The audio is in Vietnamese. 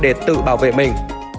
để tự bảo vệ mình